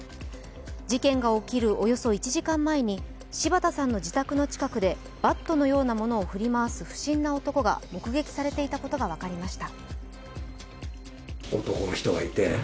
事件が起きるおよそ１時間前に柴田さんの自宅の前でバットのようなものを振り回す不審な男が目撃されていたことが分かりました。